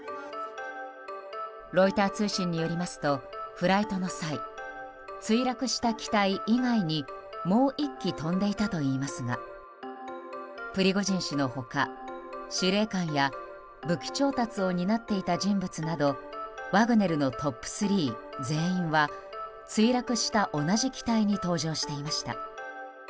ロイター通信によりますとフライトの際墜落した機体以外にもう１機飛んでいたといいますがプリゴジン氏の他、司令官や武器調達を担っていた人物などワグネルのトップ３全員は墜落した同じ機体に搭乗していました。